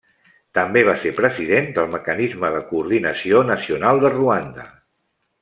També va ser president del Mecanisme de Coordinació Nacional de Ruanda.